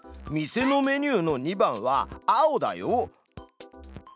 店のメニューの２番は青だよ。